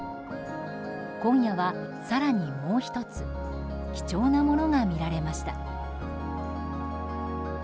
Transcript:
今夜は更にもう１つ貴重なものが見られました。